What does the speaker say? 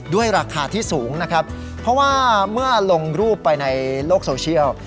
ด้วยราคาที่สูงนะครับเพราะว่าเมื่อลงรูปไปในโลกโซเชียล